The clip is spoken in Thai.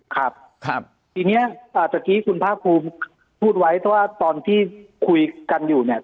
ครับครับทีเนี้ยอ่าสักทีคุณพ่าครูพูดไว้ว่าตอนที่คุยกันอยู่เนี้ย